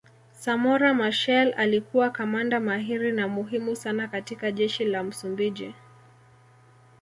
Samora Machel alikuwa kamanda mahiri na muhimu sana katika jeshi la Msumbiji